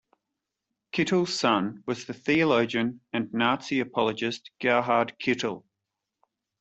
Kittel's son was the theologian and Nazi apologist Gerhard Kittel.